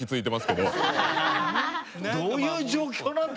どういう状況なんだ？